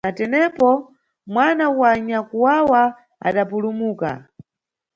Na tenepo, mwana wa nyakwawa adapulumuka.